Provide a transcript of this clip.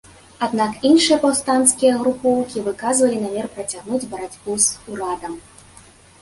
Аднак іншыя паўстанцкія групоўкі выказалі намер працягнуць барацьбу з урадам.